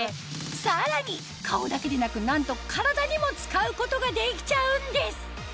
さらに顔だけでなくなんと体にも使うことができちゃうんです